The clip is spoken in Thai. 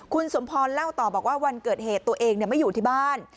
คุณสมพรเล่าต่อบอกว่าวันเกิดเหตุตัวเองไม่อยู่ที่บ้าน